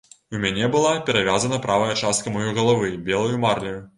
У мяне была перавязана правая частка маёй галавы белаю марляю.